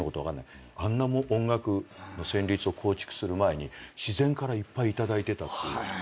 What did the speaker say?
あんな音楽の旋律を構築する前に自然からいっぱい頂いてたっていう。